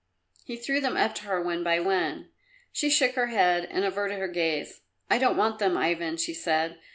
He threw them up to her one by one. She shook her head and averted her gaze. "I don't want them, Ivan," she said.